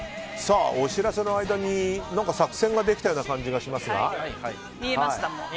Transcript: お知らせの間に作戦ができたような感じがしますが。